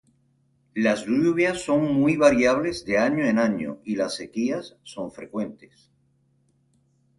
Las lluvias son muy variables de año en año, y las sequías son frecuentes.